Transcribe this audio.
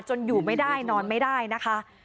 อยู่ไม่ได้นอนไม่ได้นะคะ